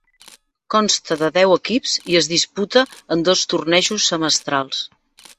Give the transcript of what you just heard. Consta de deu equips i es disputa en dos tornejos semestrals: